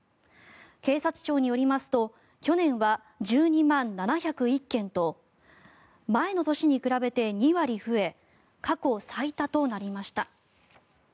警察庁によりますと去年は１２万７０１件と前の年に比べて２割増え過去最多となりました。